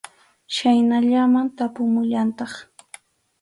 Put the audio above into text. Chhaynallaman tapumullantaq.